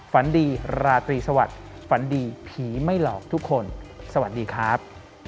ฝันดีราตรีสวัสดิ์ฝันดีผีไม่หลอกทุกคนสวัสดีครับ